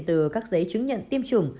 từ các giấy chứng nhận tiêm chủng